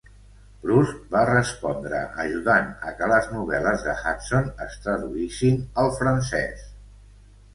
Proust va respondre ajudant a que les novel·les de Hudson es traduïssin al francès.